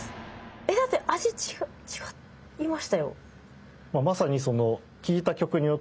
えっだって味違いましたよ。